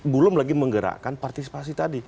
belum lagi menggerakkan partisipasi tadi